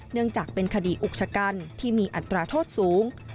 เนื่องจากเป็นคดีอุกชะกันที่มีอัตราโทษสูง